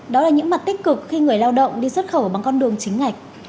đó là những mặt tích cực khi người lao động đi xuất khẩu bằng con đường chính ngạch